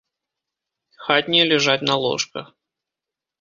Хатнія ляжаць на ложках.